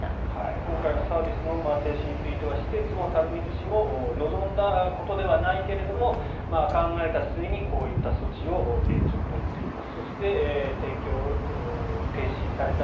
今回のサービスの停止については施設も垂水市も望んだことではないけれど考えた末に、こういった措置を現状取っています。